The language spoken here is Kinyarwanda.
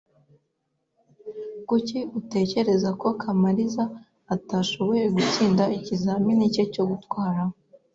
Kuki utekereza ko Kamaliza atashoboye gutsinda ikizamini cye cyo gutwara?